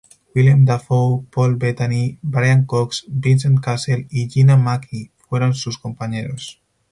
Willem Dafoe, Paul Bettany, Brian Cox, Vincent Cassel y Gina McKee fueron sus compañeros.